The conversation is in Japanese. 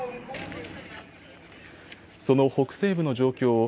その北西部の状況